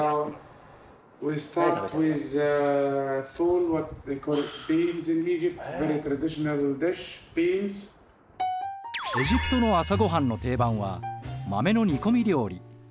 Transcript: エジプトの朝ごはんの定番は豆の煮込み料理フール。